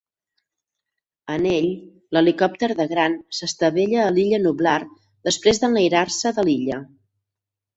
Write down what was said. En ell, l'helicòpter de Grant s'estavella a l'illa Nublar després d'enlairar-se de l'illa.